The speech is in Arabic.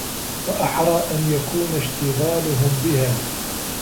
وَأَحْرَى أَنْ يَكُونَ اشْتِغَالُهُمْ بِهَا